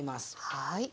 はい。